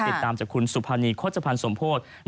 ติดตามจากคุณสุภานีโฆษภัณฑ์สมโพธิ์